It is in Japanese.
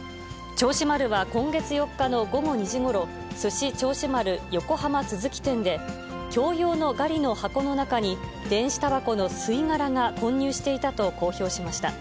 銚子丸は今月４日の午後２時ごろ、すし銚子丸横浜都筑店で、共用のガリの箱の中に、電子たばこの吸い殻が混入していたと公表しました。